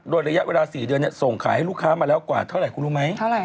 โดยระยะเวลา๔เดือนส่งขายให้ลูกค้ามาแล้วกว่าเท่าไหร่คุณรู้ไหม